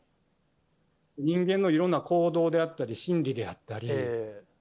人間のいろんな行動であったり、心理であったり。